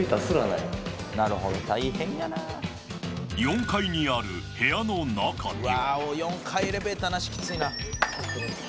４階にある部屋の中には。